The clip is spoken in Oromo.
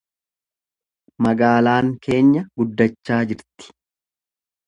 Magaalaan keenya guddachaa jirti.